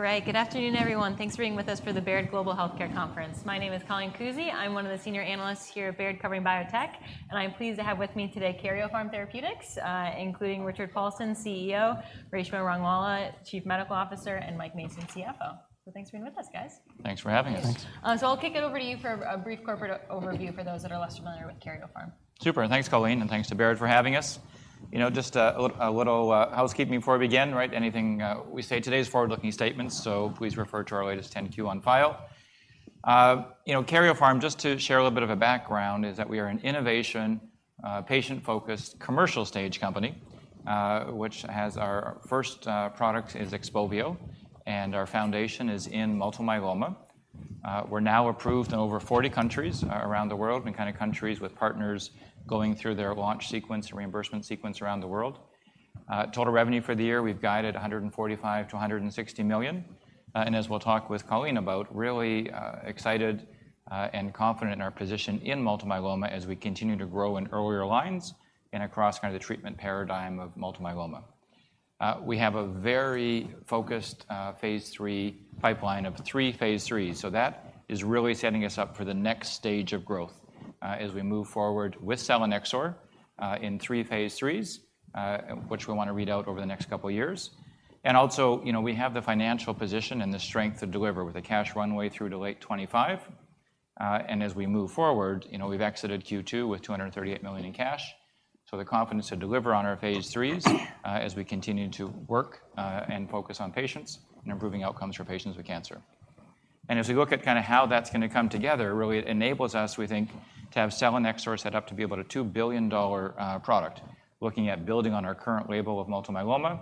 All right. Good afternoon, everyone. Thanks for being with us for the Baird Global Healthcare Conference. My name is Colleen Kusy. I'm one of the senior analysts here at Baird, covering biotech, and I'm pleased to have with me today Karyopharm Therapeutics, including Richard Paulson, CEO, Reshma Rangwala, Chief Medical Officer, and Mike Mason, CFO. So thanks for being with us, guys. Thanks for having us. Thanks. So I'll kick it over to you for a brief corporate overview for those that are less familiar with Karyopharm. Super, and thanks, Colleen, and thanks to Baird for having us. You know, just a little housekeeping before we begin, right? Anything we say today is forward-looking statements, so please refer to our latest 10-Q on file. You know, Karyopharm, just to share a little bit of a background, is that we are an innovation, patient-focused commercial stage company, which has our first product is XPOVIO, and our foundation is in multiple myeloma. We're now approved in over 40 countries around the world, and kind of countries with partners going through their launch sequence and reimbursement sequence around the world. Total revenue for the year, we've guided $145 million-$160 million, and as we'll talk with Colleen about, really excited and confident in our position in multiple myeloma as we continue to grow in earlier lines and across kind of the treatment paradigm of multiple myeloma. We have a very focused Phase III pipeline of three Phase IIIs, so that is really setting us up for the next stage of growth, as we move forward with selinexor in three Phase IIIs, which we want to read out over the next couple of years. And also, you know, we have the financial position and the strength to deliver, with a cash runway through to late 2025. and as we move forward, you know, we've exited Q2 with $238 million in cash, so the confidence to deliver on our phase IIIs, as we continue to work, and focus on patients and improving outcomes for patients with cancer. And as we look at kinda how that's gonna come together, it really enables us, we think, to have selinexor set up to be about a $2 billion product. Looking at building on our current label of multiple myeloma,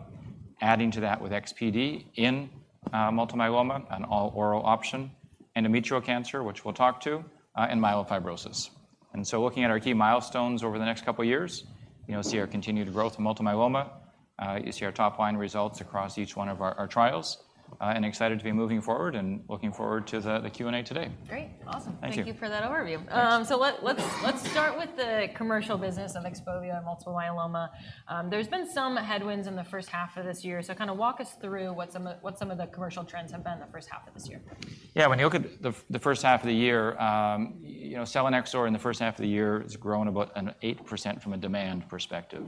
adding to that with SPd in, multiple myeloma, an all-oral option, endometrial cancer, which we'll talk to, and myelofibrosis. And so looking at our key milestones over the next couple of years, you know, see our continued growth in multiple myeloma, you see our top-line results across each one of our, our trials, and excited to be moving forward and looking forward to the, the Q&A today. Great. Awesome. Thank you. Thank you for that overview. Thanks. So, let's start with the commercial business of XPOVIO and multiple myeloma. There's been some headwinds in the first half of this year, so kind of walk us through what some of the commercial trends have been in the first half of this year. Yeah, when you look at the first half of the year, you know, selinexor in the first half of the year has grown about 8% from a demand perspective.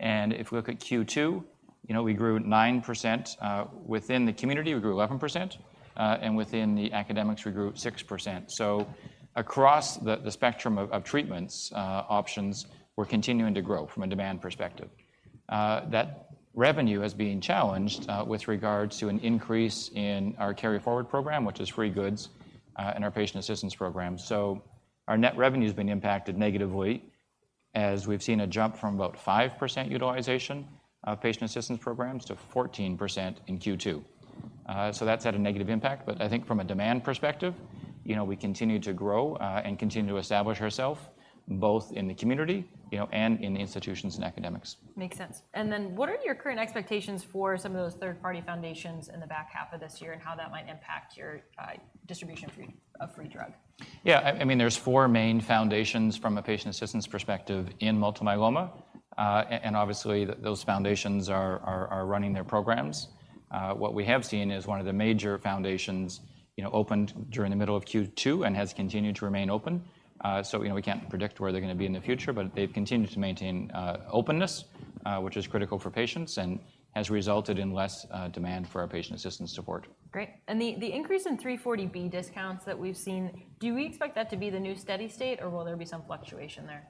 And if we look at Q2, you know, we grew 9%. Within the community, we grew 11%, and within the academics, we grew 6%. So across the spectrum of treatments options, we're continuing to grow from a demand perspective. That revenue is being challenged with regards to an increase in our carry-forward program, which is free goods, and our patient assistance program. So our net revenue's been impacted negatively, as we've seen a jump from about 5% utilization of patient assistance programs to 14% in Q2. So that's had a negative impact, but I think from a demand perspective, you know, we continue to grow and continue to establish ourselves both in the community, you know, and in the institutions and academics. Makes sense. And then what are your current expectations for some of those third-party foundations in the back half of this year and how that might impact your distribution of free drug? Yeah, I mean, there's 4 main foundations from a patient assistance perspective in multiple myeloma. And obviously, those foundations are running their programs. What we have seen is one of the major foundations, you know, opened during the middle of Q2 and has continued to remain open. So, you know, we can't predict where they're gonna be in the future, but they've continued to maintain openness, which is critical for patients and has resulted in less demand for our patient assistance support. Great. The increase in 340B discounts that we've seen, do we expect that to be the new steady state, or will there be some fluctuation there?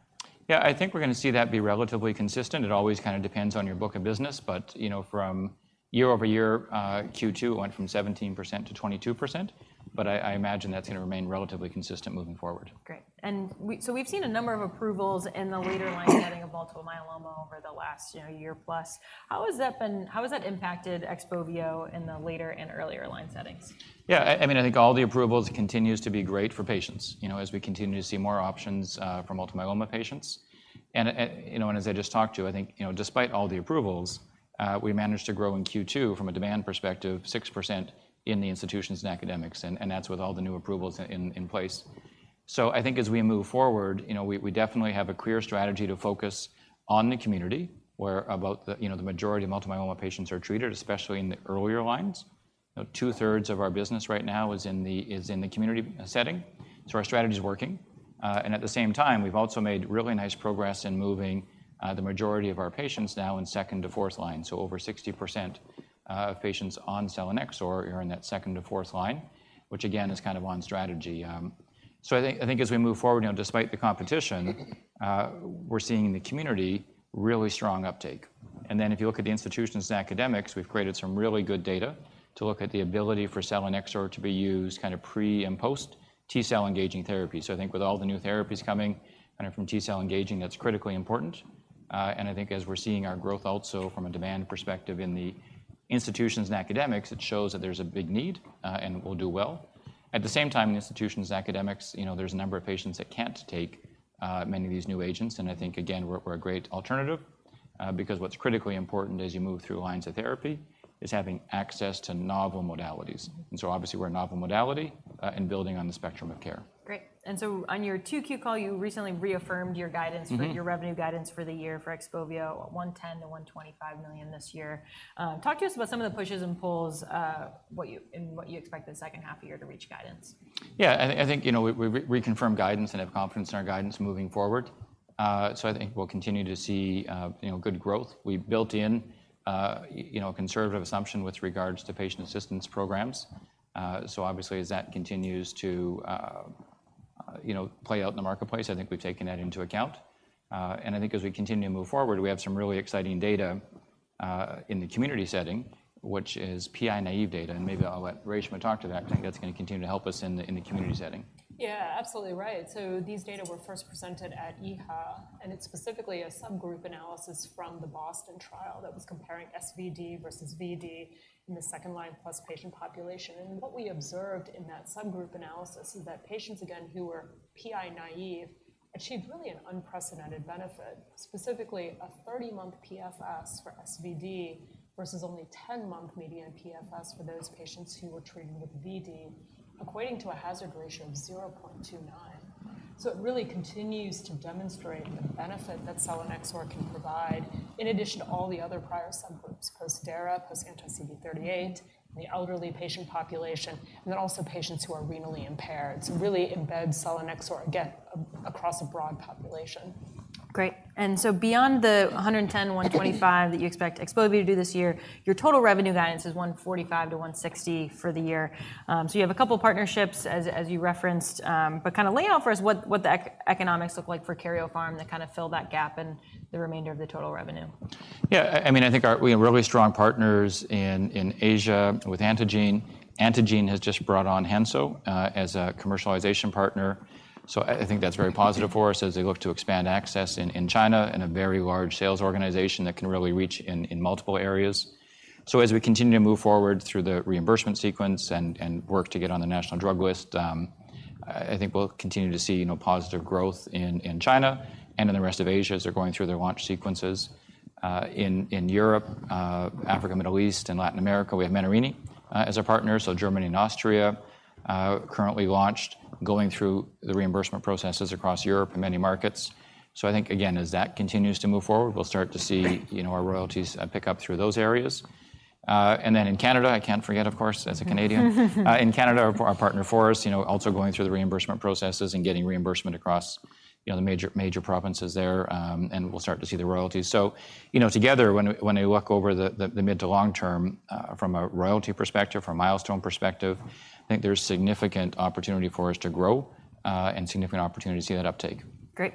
Yeah, I think we're gonna see that be relatively consistent. It always kind of depends on your book of business, but, you know, from year-over-year, Q2, it went from 17% to 22%, but I imagine that's gonna remain relatively consistent moving forward. Great. So we've seen a number of approvals in the later line setting of multiple myeloma over the last, you know, year plus. How has that been... How has that impacted XPOVIO in the later and earlier line settings? Yeah, I mean, I think all the approvals continues to be great for patients, you know, as we continue to see more options for multiple myeloma patients. And, you know, and as I just talked to, I think, you know, despite all the approvals, we managed to grow in Q2 from a demand perspective, 6% in the institutions and academics, and that's with all the new approvals in place. So I think as we move forward, you know, we definitely have a clear strategy to focus on the community, where about the, you know, the majority of multiple myeloma patients are treated, especially in the earlier lines. You know, two-thirds of our business right now is in the community setting. So our strategy is working, and at the same time, we've also made really nice progress in moving the majority of our patients now in second to fourth line. So over 60% of patients on selinexor are in that second to fourth line, which again, is kind of on strategy. So I think, I think as we move forward, you know, despite the competition, we're seeing the community really strong uptake. And then if you look at the institutions and academics, we've created some really good data to look at the ability for selinexor to be used kind of pre- and post-T-cell engaging therapy. So I think with all the new therapies coming, and from T-cell engaging, that's critically important. And I think as we're seeing our growth also from a demand perspective in the institutions and academics, it shows that there's a big need, and will do well. At the same time, in institutions and academics, you know, there's a number of patients that can't take many of these new agents, and I think, again, we're a great alternative, because what's critically important as you move through lines of therapy is having access to novel modalities. So obviously, we're a novel modality, and building on the spectrum of care. Great! And so on your 2Q call, you recently reaffirmed your guidance- Mm-hmm. For your revenue guidance for the year for XPOVIO, $110 million-$125 million this year. Talk to us about some of the pushes and pulls, what you and what you expect the second half of the year to reach guidance. Yeah, I, I think, you know, we, we reconfirm guidance and have confidence in our guidance moving forward. So I think we'll continue to see, you know, good growth. We built in, you know, conservative assumption with regards to patient assistance programs. So obviously, as that continues to, you know, play out in the marketplace, I think we've taken that into account. And I think as we continue to move forward, we have some really exciting data, in the community setting, which is PI-naive data, and maybe I'll let Reshma talk to that. I think that's gonna continue to help us in the, in the community setting. Yeah, absolutely right. So these data were first presented at EHA, and it's specifically a subgroup analysis from the BOSTON trial that was comparing SVd versus Vd in the second-line plus patient population. And what we observed in that subgroup analysis is that patients, again, who were PI-naive, achieved really an unprecedented benefit, specifically a 30-month PFS for SVd versus only 10-month median PFS for those patients who were treated with Vd, equating to a hazard ratio of 0.29. So it really continues to demonstrate the benefit that selinexor can provide, in addition to all the other prior subgroups, post-Dara, post-anti-CD38, the elderly patient population, and then also patients who are renally impaired. So it really embeds selinexor, again, across a broad population. Great. Beyond the $110-$125 that you expect XPOVIO to do this year, your total revenue guidance is $145-$160 for the year. So you have a couple of partnerships as you referenced, but lay out for us what the economics look like for Karyopharm that fill that gap in the remainder of the total revenue. Yeah, I mean, I think our... We have really strong partners in Asia with Antengene. Antengene has just brought on Hansoh as a commercialization partner, so I think that's very positive for us as they look to expand access in China, and a very large sales organization that can really reach in multiple areas. So as we continue to move forward through the reimbursement sequence and work to get on the national drug list, I think we'll continue to see, you know, positive growth in China and in the rest of Asia as they're going through their launch sequences. In Europe, Africa, Middle East, and Latin America, we have Menarini as our partner, so Germany and Austria currently launched, going through the reimbursement processes across Europe and many markets. So I think, again, as that continues to move forward, we'll start to see, you know, our royalties pick up through those areas. And then in Canada, I can't forget, of course, as a Canadian. In Canada, our partner Forus, you know, also going through the reimbursement processes and getting reimbursement across, you know, the major, major provinces there, and we'll start to see the royalties. So, you know, together, when we, when we look over the, the, the mid to long term, from a royalty perspective, from a milestone perspective, I think there's significant opportunity for us to grow, and significant opportunity to see that uptake. Great.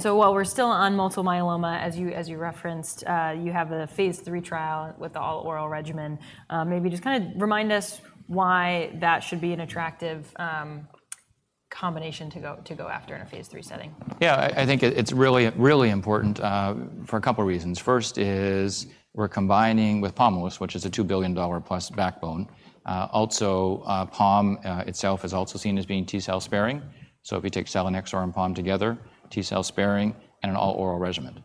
So while we're still on multiple myeloma, as you referenced, you have a phase III trial with the all-oral regimen. Maybe just kinda remind us why that should be an attractive combination to go after in a phase III setting. Yeah, I think it's really, really important for a couple of reasons. First is, we're combining with Pomalyst, which is a $2 billion-plus backbone. Also, POM itself is also seen as being T-cell sparing. So if you take selinexor and POM together, T-cell sparing and an all-oral regimen.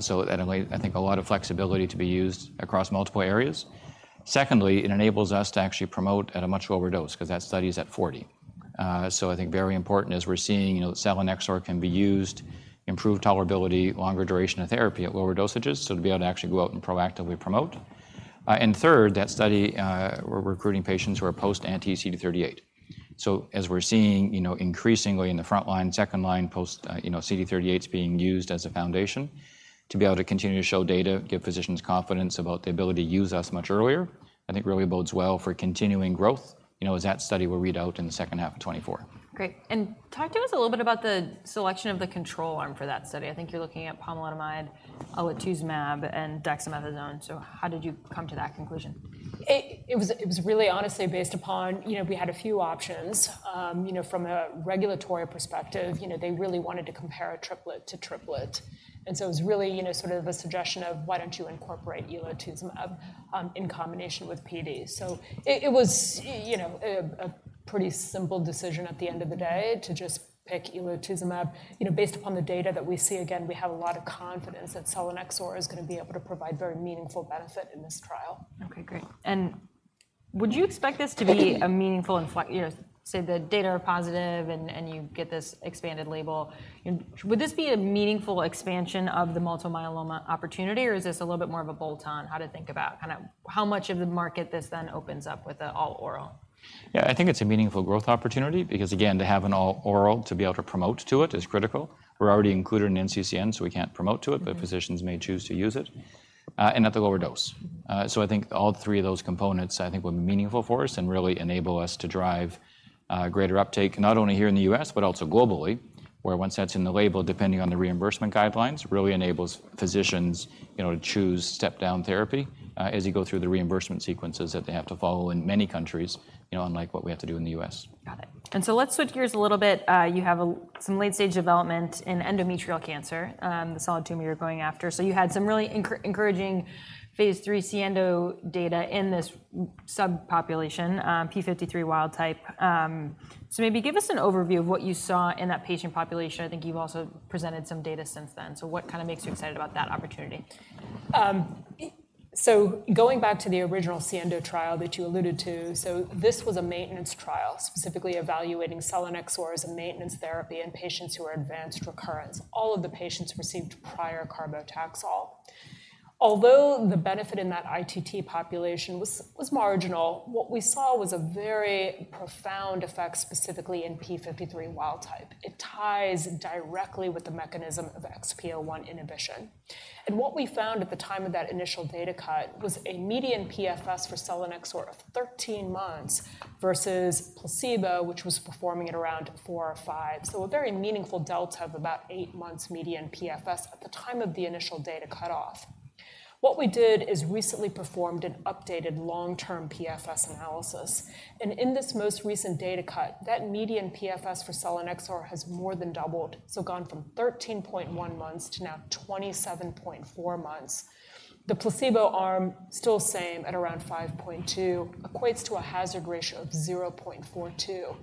So that enable, I think, a lot of flexibility to be used across multiple areas. Secondly, it enables us to actually promote at a much lower dose because that study is at 40. So I think very important, as we're seeing, you know, selinexor can be used, improve tolerability, longer duration of therapy at lower dosages, so to be able to actually go out and proactively promote. And third, that study, we're recruiting patients who are post-anti-CD38. So as we're seeing, you know, increasingly in the frontline, second line post, you know, CD38 is being used as a foundation to be able to continue to show data, give physicians confidence about the ability to use us much earlier, I think really bodes well for continuing growth, you know, as that study will read out in the second half of 2024. Great. Talk to us a little bit about the selection of the control arm for that study. I think you're looking at pomalidomide, elotuzumab, and dexamethasone. How did you come to that conclusion? It was really honestly based upon... You know, we had a few options. You know, from a regulatory perspective, you know, they really wanted to compare a triplet to triplet. And so it was really, you know, sort of a suggestion of: Why don't you incorporate elotuzumab in combination with PD? So it was, you know, a pretty simple decision at the end of the day to just pick elotuzumab. You know, based upon the data that we see, again, we have a lot of confidence that selinexor is gonna be able to provide very meaningful benefit in this trial. Okay, great. Would you expect this to be a meaningful you know, say, the data are positive and you get this expanded label, would this be a meaningful expansion of the multiple myeloma opportunity, or is this a little bit more of a bolt-on? How to think about... Kinda how much of the market this then opens up with an all-oral? Yeah, I think it's a meaningful growth opportunity because, again, to have an all-oral to be able to promote to it is critical. We're already included in NCCN, so we can't promote to it, but physicians may choose to use it, and at the lower dose. So I think all three of those components, I think, will be meaningful for us and really enable us to drive greater uptake, not only here in the U.S., but also globally, where once that's in the label, depending on the reimbursement guidelines, really enables physicians, you know, to choose step-down therapy, as you go through the reimbursement sequences that they have to follow in many countries, you know, unlike what we have to do in the U.S. Got it. So let's switch gears a little bit. You have some late-stage development in endometrial cancer, the solid tumor you're going after. So you had some really encouraging phase III SIENDO data in this subpopulation, P53 wild type. So maybe give us an overview of what you saw in that patient population. I think you've also presented some data since then. So what kinda makes you excited about that opportunity? So going back to the original SIENDO trial that you alluded to, so this was a maintenance trial, specifically evaluating selinexor as a maintenance therapy in patients who are advanced recurrence. All of the patients received prior carboplatin. Although the benefit in that ITT population was marginal, what we saw was a very profound effect, specifically in P53 wild type. It ties directly with the mechanism of XPO1 inhibition. And what we found at the time of that initial data cut was a median PFS for selinexor of 13 months versus placebo, which was performing at around 4 or 5. So a very meaningful delta of about 8 months median PFS at the time of the initial data cut-off. What we did is recently performed an updated long-term PFS analysis, and in this most recent data cut, that median PFS for selinexor has more than doubled. So gone from 13.1 months to now 27.4 months. The placebo arm, still same at around 5.2, equates to a hazard ratio of 0.42.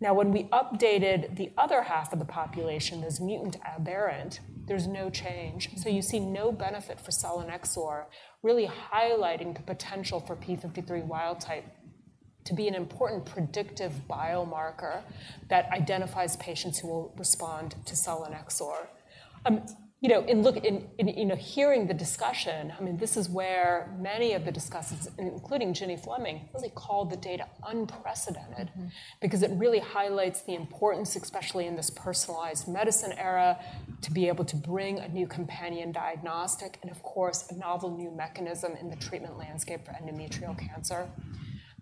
Now, when we updated the other half of the population, this mutant aberrant, there's no change. So you see no benefit for selinexor, really highlighting the potential for P53 wild type to be an important predictive biomarker that identifies patients who will respond to selinexor. You know, hearing the discussion, I mean, this is where many of the discussions, including Gini Fleming, really called the data unprecedented- Mm-hmm. Because it really highlights the importance, especially in this personalized medicine era, to be able to bring a new companion diagnostic and of course, a novel new mechanism in the treatment landscape for endometrial cancer.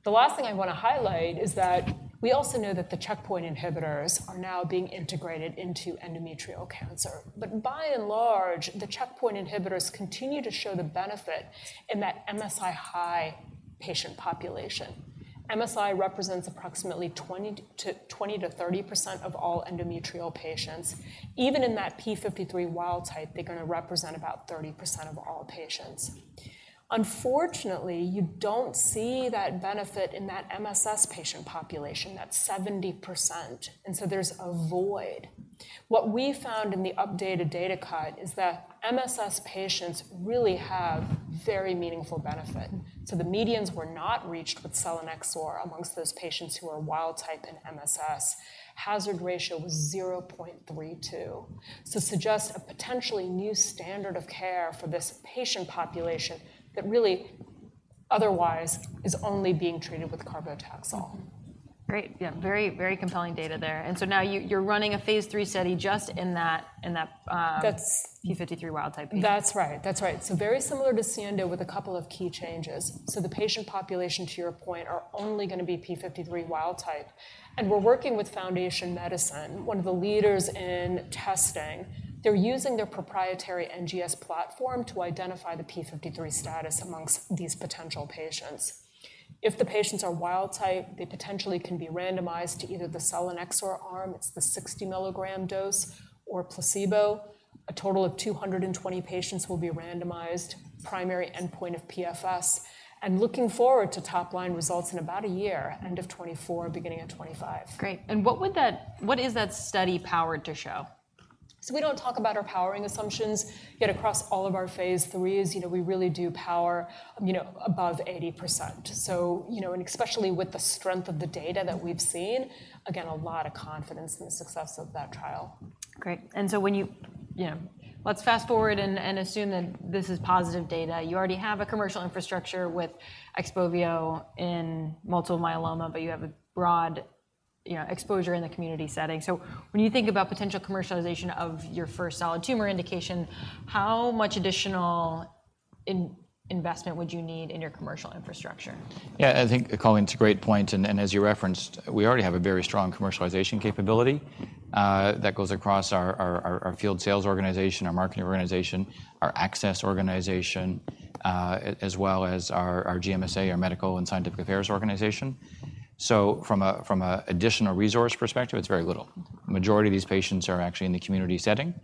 The last thing I want to highlight is that we also know that the checkpoint inhibitors are now being integrated into endometrial cancer. But by and large, the checkpoint inhibitors continue to show the benefit in that MSI high patient population. MSI represents approximately 20%-30% of all endometrial patients. Even in that P53 wild type, they're going to represent about 30% of all patients. Unfortunately, you don't see that benefit in that MSS patient population. That's 70%, and so there's a void. What we found in the updated data cut is that MSS patients really have very meaningful benefit. So the medians were not reached with selinexor among those patients who are wild type in MSS. Hazard ratio was 0.32. So suggests a potentially new standard of care for this patient population that really otherwise is only being treated with carboplatin. Mm-hmm. Great. Yeah, very, very compelling data there. And so now you, you're running a phase III study just in that, in that. That's- P53 wild type. That's right. That's right. So very similar to SIENDO with a couple of key changes. So the patient population, to your point, are only going to be P53 wild type. And we're working with Foundation Medicine, one of the leaders in testing. They're using their proprietary NGS platform to identify the P53 status amongst these potential patients. If the patients are wild type, they potentially can be randomized to either the selinexor arm, it's the 60 milligram dose, or placebo. A total of 220 patients will be randomized, primary endpoint of PFS, and looking forward to top-line results in about a year, end of 2024, beginning of 2025. Great. And what is that study powered to show? We don't talk about our powering assumptions, yet across all of our Phase III, you know, we really do power, you know, above 80%. So, you know, and especially with the strength of the data that we've seen, again, a lot of confidence in the success of that trial. Great. And so when you—you know, let's fast forward and assume that this is positive data. You already have a commercial infrastructure with XPOVIO in multiple myeloma, but you have a broad, you know, exposure in the community setting. So when you think about potential commercialization of your first solid tumor indication, how much additional investment would you need in your commercial infrastructure? Yeah, I think, Colleen, it's a great point, and as you referenced, we already have a very strong commercialization capability that goes across our field sales organization, our marketing organization, our access organization, as well as our GMSA, our medical and scientific affairs organization. So from a additional resource perspective, it's very little. Majority of these patients are actually in the community setting,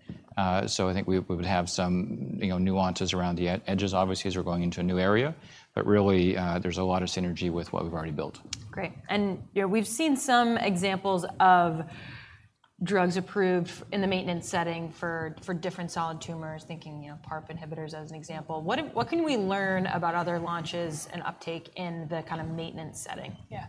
so I think we would have some, you know, nuances around the edges, obviously, as we're going into a new area. But really, there's a lot of synergy with what we've already built. Great. You know, we've seen some examples of drugs approved in the maintenance setting for different solid tumors, thinking, you know, PARP inhibitors as an example. What can we learn about other launches and uptake in the kind of maintenance setting? Yeah.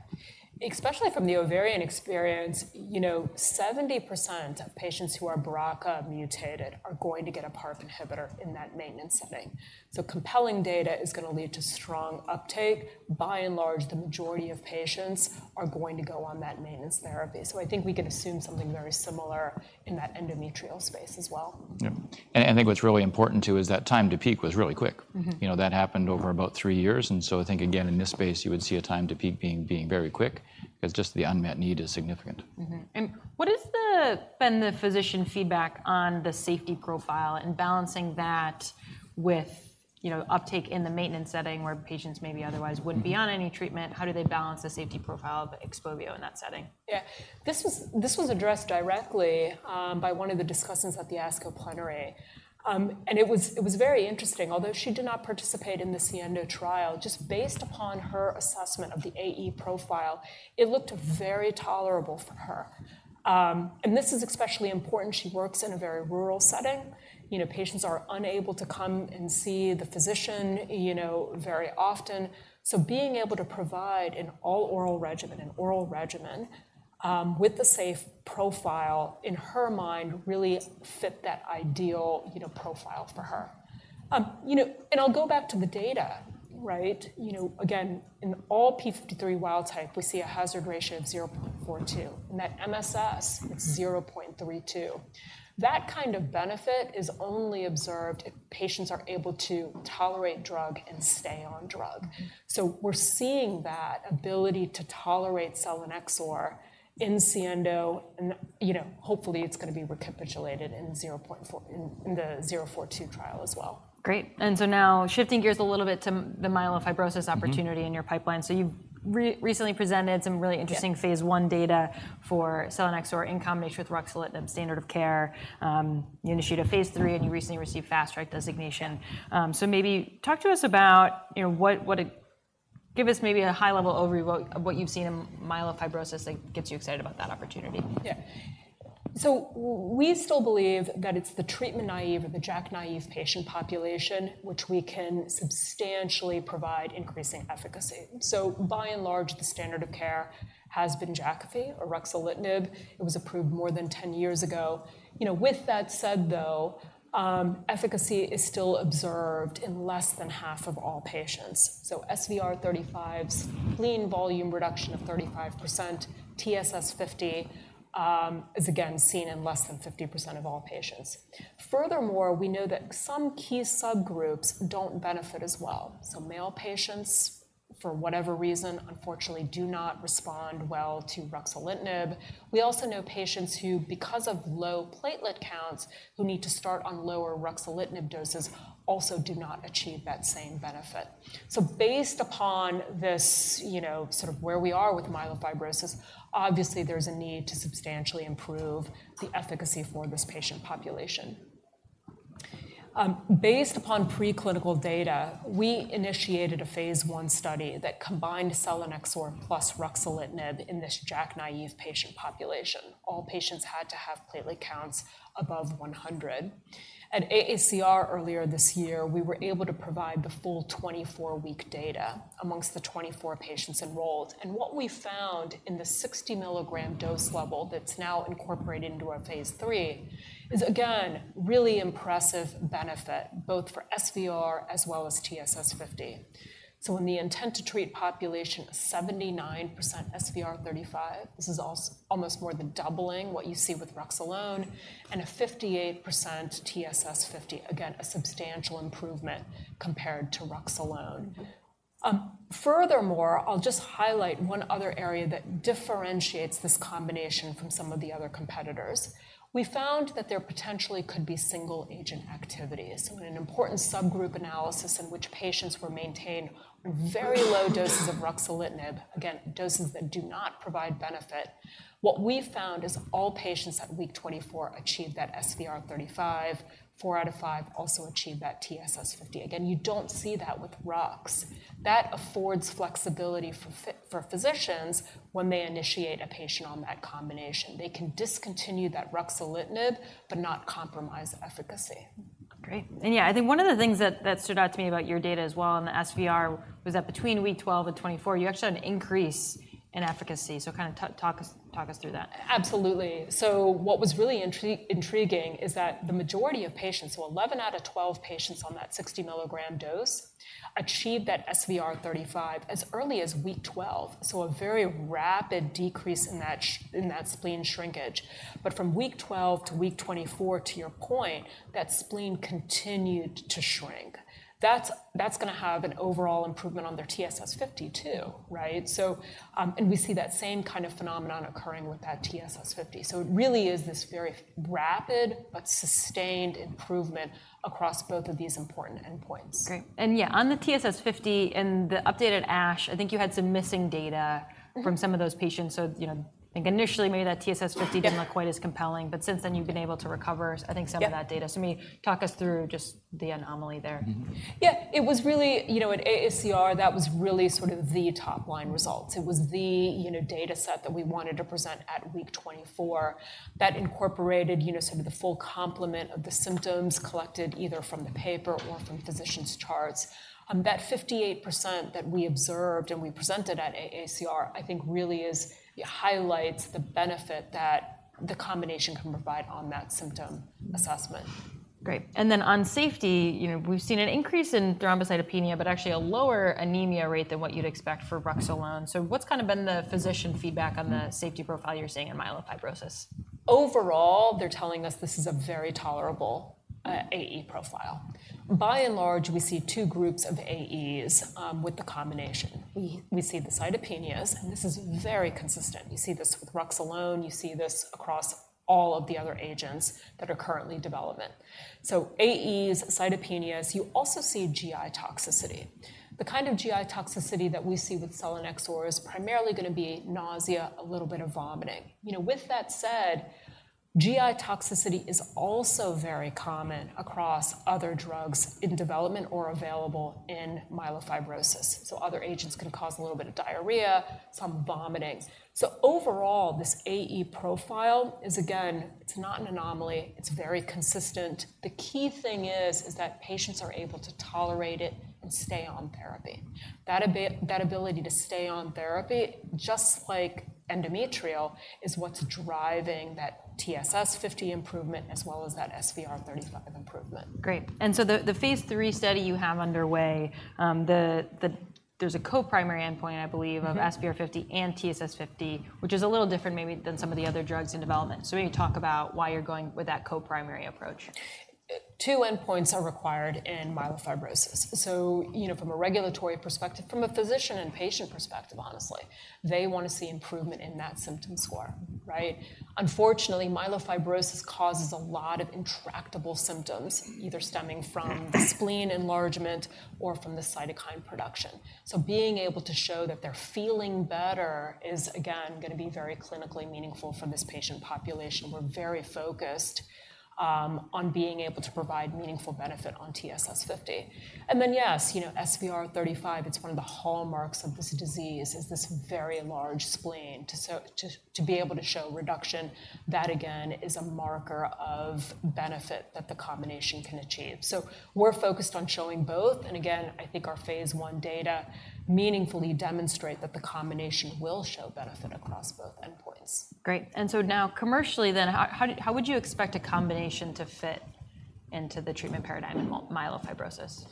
Especially from the ovarian experience, you know, 70% of patients who are BRCA mutated are going to get a PARP inhibitor in that maintenance setting. So compelling data is going to lead to strong uptake. By and large, the majority of patients are going to go on that maintenance therapy. So I think we can assume something very similar in that endometrial space as well. Yeah. And I think what's really important, too, is that time to peak was really quick. Mm-hmm. You know, that happened over about three years, and so I think, again, in this space, you would see a time to peak being very quick because just the unmet need is significant. Mm-hmm. What has been the physician feedback on the safety profile and balancing that with, you know, uptake in the maintenance setting where patients maybe otherwise wouldn't be on any treatment? How do they balance the safety profile of XPOVIO in that setting? Yeah. This was, this was addressed directly by one of the discussants at the ASCO Plenary. And it was, it was very interesting. Although she did not participate in the SIENDO trial, just based upon her assessment of the AE profile, it looked very tolerable for her. And this is especially important. She works in a very rural setting. You know, patients are unable to come and see the physician, you know, very often. So being able to provide an all-oral regimen, an oral regimen, with the safe profile in her mind, really fit that ideal, you know, profile for her. You know, and I'll go back to the data, right? You know, again, in all P53 wild type, we see a hazard ratio of 0.42, and that MSS is 0.32. That kind of benefit is only observed if patients are able to tolerate drug and stay on drug. So we're seeing that ability to tolerate selinexor in SIENDO and, you know, hopefully, it's going to be recapitulated in the XPORT-EC-042 trial as well. Great! And so now, shifting gears a little bit to the myelofibrosis- Mm-hmm. - opportunity in your pipeline. So you've recently presented some really interesting- Yeah. phase 1 data for selinexor in combination with ruxolitinib, standard of care. You initiated a phase 3, and you recently received Fast Track Designation. So maybe talk to us about, you know, what, what it-- Give us maybe a high-level overview of what, what you've seen in myelofibrosis that gets you excited about that opportunity. Yeah. So we still believe that it's the treatment-naive or the JAK-naive patient population, which we can substantially provide increasing efficacy. So by and large, the standard of care has been Jakafi or Ruxolitinib. It was approved more than 10 years ago. You know, with that said, though, efficacy is still observed in less than half of all patients. So SVR35's spleen volume reduction of 35%, TSS50, is again seen in less than 50% of all patients. Furthermore, we know that some key subgroups don't benefit as well. So male patients, for whatever reason, unfortunately, do not respond well to Ruxolitinib. We also know patients who, because of low platelet counts, who need to start on lower Ruxolitinib doses, also do not achieve that same benefit. So based upon this, you know, sort of where we are with myelofibrosis, obviously, there's a need to substantially improve the efficacy for this patient population. Based upon preclinical data, we initiated a phase 1 study that combined selinexor plus ruxolitinib in this JAK-naive patient population. All patients had to have platelet counts above 100. At AACR, earlier this year, we were able to provide the full 24-week data amongst the 24 patients enrolled. And what we found in the 60 milligram dose level that's now incorporated into our phase 3 is, again, really impressive benefit, both for SVR as well as TSS50. So in the intent-to-treat population, 79% SVR35, this is almost more than doubling what you see with Rux alone, and a 58% TSS50. Again, a substantial improvement compared to Rux alone. Furthermore, I'll just highlight one other area that differentiates this combination from some of the other competitors. We found that there potentially could be single-agent activities. In an important subgroup analysis in which patients were maintained on very low doses of ruxolitinib, again, doses that do not provide benefit, what we found is all patients at week 24 achieved that SVR35, four out of five also achieved that TSS50. Again, you don't see that with Rux. That affords flexibility for physicians when they initiate a patient on that combination. They can discontinue that ruxolitinib but not compromise efficacy. Great. And yeah, I think one of the things that, that stood out to me about your data as well on the SVR was that between week 12 and 24, you actually had an increase in efficacy. So kind of talk us through that. Absolutely. So what was really intriguing is that the majority of patients, so 11 out of 12 patients on that 60 milligram dose, achieved that SVR35 as early as week 12, so a very rapid decrease in that spleen shrinkage. But from week 12 to week 24, to your point, that spleen continued to shrink. That's, that's gonna have an overall improvement on their TSS50 too, right? So, And we see that same kind of phenomenon occurring with that TSS50. So it really is this very rapid but sustained improvement across both of these important endpoints. Great. And yeah, on the TSS50, in the updated ASH, I think you had some missing data... Mm-hmm. - from some of those patients. So, you know, I think initially, maybe that TSS50 didn't look quite as compelling, but since then you've been able to recover, I think- Yeah... some of that data. Maybe talk us through just the anomaly there. Mm-hmm. Yeah, it was really, you know, at AACR, that was really sort of the top-line results. It was the, you know, data set that we wanted to present at week 24 that incorporated, you know, sort of the full complement of the symptoms collected, either from the paper or from physicians' charts. That 58% that we observed and we presented at AACR, I think really is, it highlights the benefit that the combination can provide on that symptom assessment. Great. And then on safety, you know, we've seen an increase in thrombocytopenia, but actually a lower anemia rate than what you'd expect for Rux alone. So what's kind of been the physician feedback on the safety profile you're seeing in myelofibrosis? Overall, they're telling us this is a very tolerable AE profile. By and large, we see two groups of AEs with the combination. We see the cytopenias, and this is very consistent. You see this with Rux alone; you see this across all of the other agents that are currently in development. So AEs, cytopenias, you also see GI toxicity. The kind of GI toxicity that we see with selinexor is primarily gonna be nausea, a little bit of vomiting. You know, with that said, GI toxicity is also very common across other drugs in development or available in myelofibrosis. So other agents can cause a little bit of diarrhea, some vomiting. So overall, this AE profile is, again, it's not an anomaly. It's very consistent. The key thing is that patients are able to tolerate it and stay on therapy. That ability to stay on therapy, just like endometrial, is what's driving that TSS50 improvement as well as that SVR35 improvement. Great. And so the phase 3 study you have underway. There's a co-primary endpoint, I believe, of- Mm-hmm. SVR 50 and TSS 50, which is a little different maybe than some of the other drugs in development. So will you talk about why you're going with that co-primary approach? Two endpoints are required in myelofibrosis. So, you know, from a regulatory perspective, from a physician and patient perspective, honestly, they want to see improvement in that symptom score, right? Unfortunately, myelofibrosis causes a lot of intractable symptoms, either stemming from the spleen enlargement or from the cytokine production. So being able to show that they're feeling better is, again, going to be very clinically meaningful for this patient population. We're very focused on being able to provide meaningful benefit on TSS50. And then, yes, you know, SVR35, it's one of the hallmarks of this disease, is this very large spleen. To be able to show reduction, that again, is a marker of benefit that the combination can achieve. We're focused on showing both, and again, I think our phase I data meaningfully demonstrate that the combination will show benefit across both endpoints. Great. And so now commercially then, how would you expect a combination to fit into the treatment paradigm in myelofibrosis?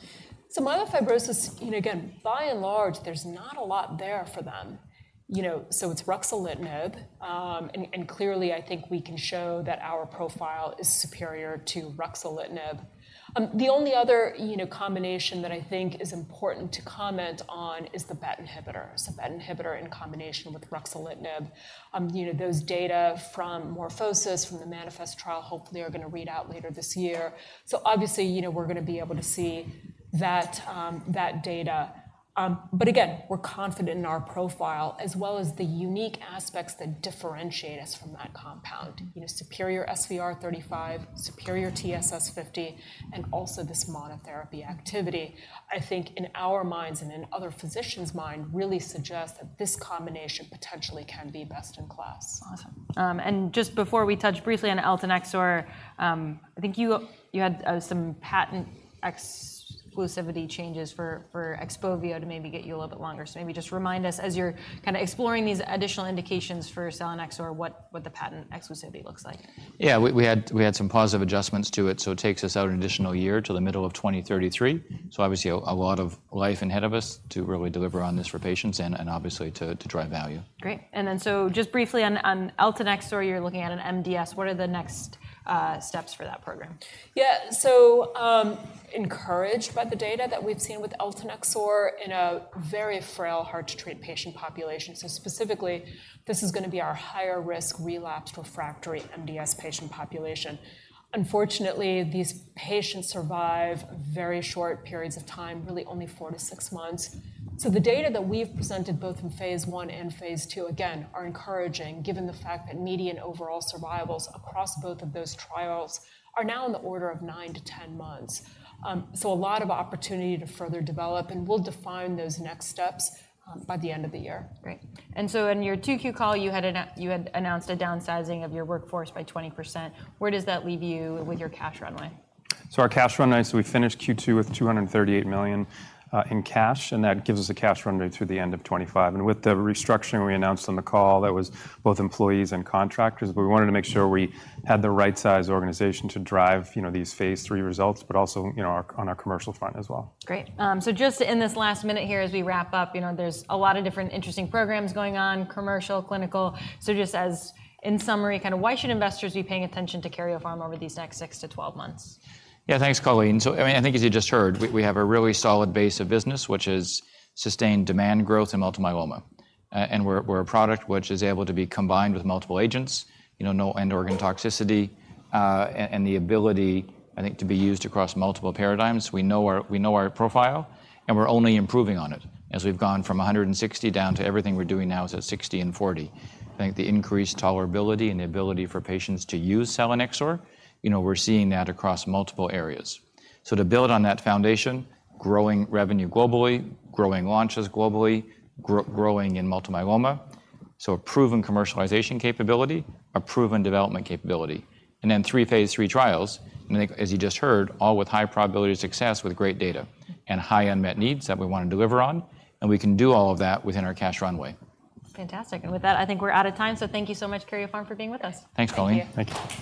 So myelofibrosis, you know, again, by and large, there's not a lot there for them. You know, so it's ruxolitinib, and, and clearly, I think we can show that our profile is superior to ruxolitinib. The only other, you know, combination that I think is important to comment on is the BET inhibitor. So BET inhibitor in combination with ruxolitinib, you know, those data from MorphoSys, from the Manifest trial, hopefully are going to read out later this year. So obviously, you know, we're going to be able to see that, that data. But again, we're confident in our profile, as well as the unique aspects that differentiate us from that compound. You know, superior SVR 35, superior TSS 50, and also this monotherapy activity, I think in our minds and in other physicians' mind, really suggests that this combination potentially can be best in class. Awesome. And just before we touch briefly on eltanexor, I think you had some patent exclusivity changes for XPOVIO to maybe get you a little bit longer. So maybe just remind us, as you're kind of exploring these additional indications for selinexor, what the patent exclusivity looks like. Yeah, we had some positive adjustments to it, so it takes us out an additional year to the middle of 2033. So obviously, a lot of life ahead of us to really deliver on this for patients and obviously to drive value. Great. And then so just briefly on eltanexor, you're looking at an MDS. What are the next steps for that program? Yeah. So, encouraged by the data that we've seen with eltanexor in a very frail, hard-to-treat patient population. So specifically, this is going to be our higher risk, relapsed, refractory MDS patient population. Unfortunately, these patients survive very short periods of time, really only four to six months. So the data that we've presented both in phase I and phase II, again, are encouraging, given the fact that median overall survivals across both of those trials are now in the order of nine to ten months. So a lot of opportunity to further develop, and we'll define those next steps by the end of the year. Great. And so in your 2Q call, you had announced a downsizing of your workforce by 20%. Where does that leave you with your cash runway? So our cash runway, so we finished Q2 with $238 million in cash, and that gives us a cash runway through the end of 2025. And with the restructuring we announced on the call, that was both employees and contractors, but we wanted to make sure we had the right size organization to drive, you know, these phase III results, but also, you know, our on our commercial front as well. Great. So just in this last minute here as we wrap up, you know, there's a lot of different interesting programs going on, commercial, clinical. So just as in summary, kind of why should investors be paying attention to Karyopharm over these next 6-12 months? Yeah. Thanks, Colleen. So, I mean, I think as you just heard, we have a really solid base of business, which is sustained demand growth in multiple myeloma. And we're a product which is able to be combined with multiple agents, you know, no end organ toxicity, and the ability, I think, to be used across multiple paradigms. We know our profile, and we're only improving on it as we've gone from 160 down to everything we're doing now is at 60/40. I think the increased tolerability and the ability for patients to use selinexor, you know, we're seeing that across multiple areas. So to build on that foundation, growing revenue globally, growing launches globally, growing in multiple myeloma, so a proven commercialization capability, a proven development capability, and then three phase III trials, and I think, as you just heard, all with high probability of success, with great data and high unmet needs that we want to deliver on, and we can do all of that within our cash runway. Fantastic. And with that, I think we're out of time, so thank you so much, Karyopharm, for being with us. Thanks, Colleen. Thank you. Thank you.